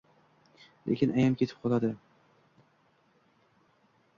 Lekin ayam ketib qoldi